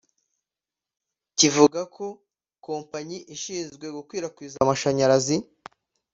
kivuga ko ikompanyi ishinzwe gukwirakwiza amashanyarazi